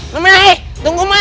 meme tunggu meme